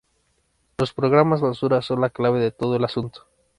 los programas basura son la clave de todo el asunto